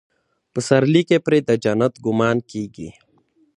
پسرلي کې پرې د جنت ګمان کېږي.